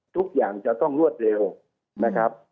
ทุกอย่างจะต้องรวดเร็วนะครับ